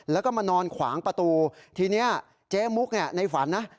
แล้วก็มานอนขวางประตูทีนี้เจ๊มุกเนี่ยในฝันนะ